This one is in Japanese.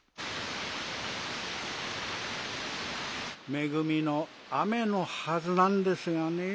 めぐみの雨のはずなんですがねぇ。